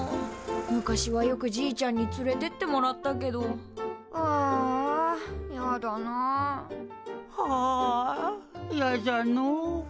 昔はよくじいちゃんに連れてってもらったけどはあやだな。はあやじゃのう。